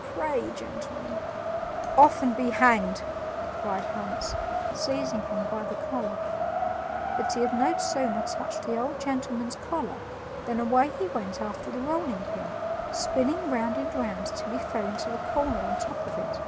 "Pray, gentlemen." "Off, and be hanged!" cried Hans, seizing him by the collar. But he had no sooner touched the old gentleman's collar than away he went after the rolling pin, spinning round and round till he fell into the corner on the top of it.